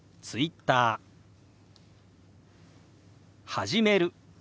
「始める」。